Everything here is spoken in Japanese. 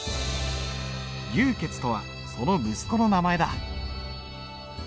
「牛」とはその息子の名前だ。